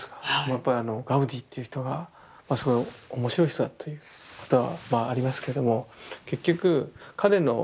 やっぱあのガウディっていう人がまあすごい面白い人だということはまあありますけども結局彼の何ていうんですかね